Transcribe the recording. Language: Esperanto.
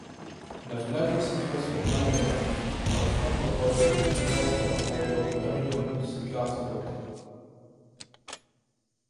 La vilaĝo situas sur malebenaĵo, laŭ flankovojoj, laŭ fervojo Hungario-Murska Sobota.